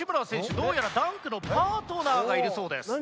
どうやらダンクのパートナーがいるそうです。